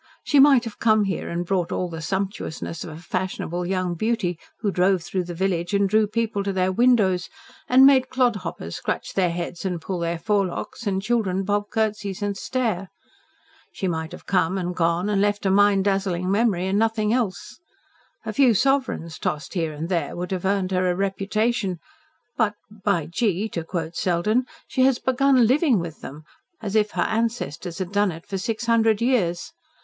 She might have come here and brought all the sumptuousness of a fashionable young beauty, who drove through the village and drew people to their windows, and made clodhoppers scratch their heads and pull their forelocks, and children bob curtsies and stare. She might have come and gone and left a mind dazzling memory and nothing else. A few sovereigns tossed here and there would have earned her a reputation but, by gee! to quote Selden she has begun LIVING with them, as if her ancestors had done it for six hundred years.